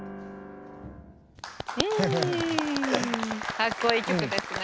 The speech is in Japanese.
かっこいい曲ですね。